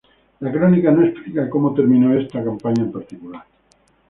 La crónica no explica cómo terminó esta campaña en particular.